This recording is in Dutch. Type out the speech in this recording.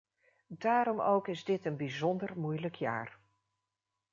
Daarom ook is dit een bijzonder moeilijk jaar.